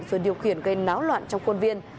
vừa điều khiển gây náo loạn trong khuôn viên